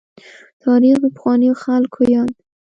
تاريخ د پخوانیو خلکو ياد دی.